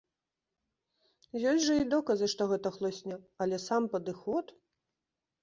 Ёсць жа і доказы, што гэта хлусня, але сам падыход!